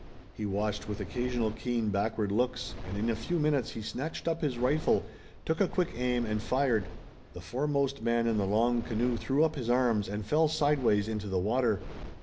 He watched with occasional keen backward looks, and in a few minutes he snatched up his rifle, took a quick aim and fired. The foremost man in the long canoe threw up his arms, and fell sideways into the water.